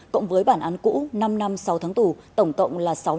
cộng với bản án cũ hai mươi bảy năm tổng cộng là hai mươi chín năm tù